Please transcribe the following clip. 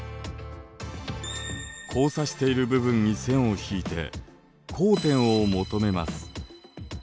交差している部分に線を引いて交点を求めます。